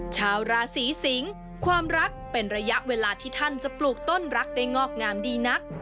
ชาวราศีสิงศ์ความรักเป็นระยะเวลาที่ท่านจะปลูกต้นรักได้งอกงามดีนัก